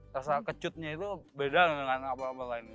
rasa kecutnya itu beda dengan apel apel lain